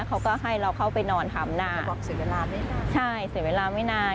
เขาก็ให้เราเข้าไปนอนทำหน้าใช่เสียเวลาไม่นาน